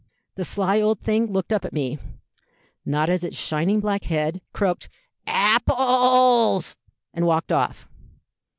The sly old thing looked up at me, nodded its shining black head, croaked 'Apples!' and walked off.